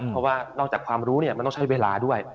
เพราะว่านอกจากความรู้มันต้องใช้เวลาด้วย